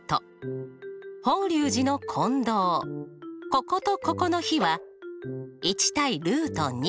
こことここの比は１対。